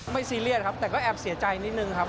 ซีเรียสครับแต่ก็แอบเสียใจนิดนึงครับ